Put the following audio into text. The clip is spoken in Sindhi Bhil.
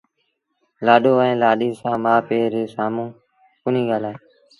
لآڏو لآڏيٚ سآݩ مآ پي ري سآمهون ڪونهيٚ ڳآلآئي